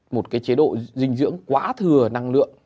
một cái chế độ dinh dưỡng quá thừa năng lượng